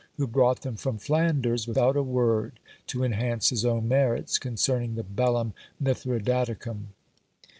who brought them from Flanders without a word to enhance his own merits, concerning the bellum Mithridaticum!